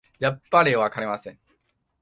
やっぱりわかりません